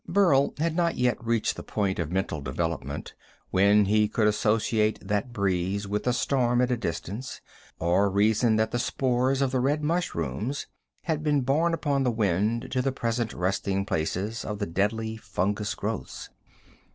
Burl had not yet reached the point of mental development when he would associate that breeze with a storm at a distance, or reason that the spores of the red mushrooms had been borne upon the wind to the present resting places of the deadly fungus growths.